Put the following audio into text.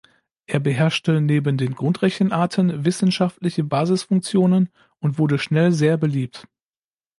Er beherrschte neben den Grundrechenarten wissenschaftliche Basisfunktionen und wurde schnell sehr beliebt.